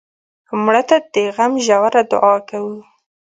مړه ته د غم ژوره دعا کوو